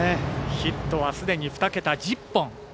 ヒットはすでに二桁、１０本。